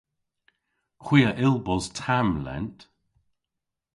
Hwi a yll bos tamm lent.